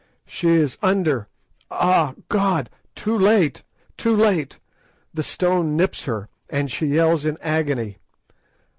She is under—ah! god! too late! too late! The stone nips her, and she yells in agony.